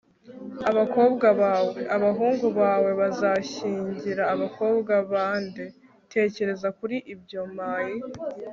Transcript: abakobwa bawe? abahungu bawe bazashyingira abakobwa ba nde? tekereza kuri ibyo, my